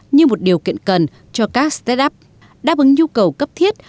như một điều kiện cần cho các staff đáp ứng nhu cầu cấp thiết